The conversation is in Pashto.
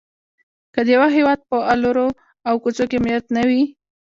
که د یوه هيواد په الرو او کوڅو کې امنيت نه وي؛